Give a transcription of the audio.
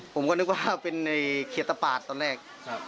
ผมก็นึกว่าเป็นในเขตตะปาดตอนแรก